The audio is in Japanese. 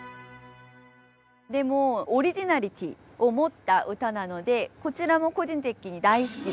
でもオリジナリティーを持った歌なのでこちらも個人的に大好きです。